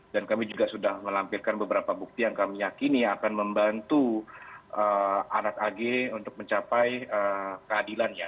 dan kami juga sudah melampirkan beberapa bukti yang kami yakini akan membantu anak ag untuk mencapai keadilannya